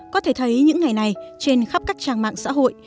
có thể thấy những ngày này trên khắp các trang mạng xã hội